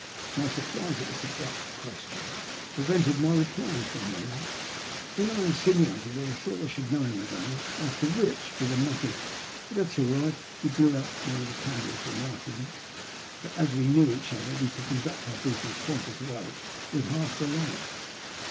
My surprise at this abrupt question prevented my replying for a moment; then I insinuated that I thought I should know him again, after which, with a muttered " That's all right/' he blew out one of the candles, remarking that, as we now knew each other, we could conduct our business quite as well with half the light.